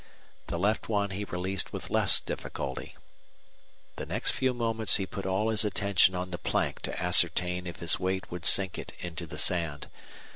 The left one he released with less difficulty. The next few moments he put all his attention on the plank to ascertain if his weight would sink it into the sand.